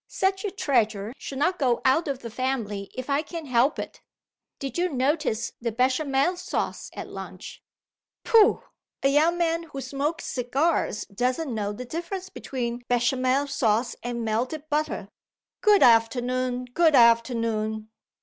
Such a treasure shall not go out of the family, if I can help it. Did you notice the Bechamel sauce at lunch? Pooh! a young man who smokes cigars doesn't know the difference between Bechamel sauce and melted butter. Good afternoon! good afternoon!"